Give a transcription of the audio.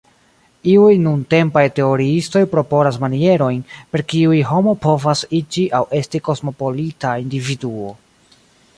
Iuj nuntempaj teoriistoj proponas manierojn, per kiuj homo povas iĝi aŭ esti kosmopolita individuo.